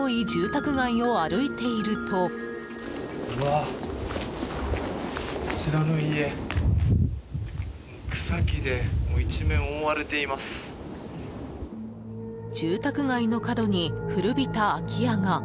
住宅街の角に古びた空き家が。